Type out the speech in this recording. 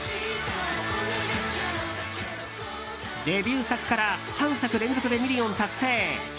デビュー作から３作連続でミリオン達成。